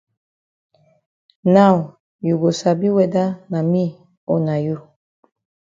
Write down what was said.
Now you go sabi whether na me o na you.